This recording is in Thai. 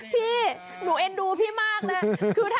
พี่หนูเอ็นดูพี่มากเลย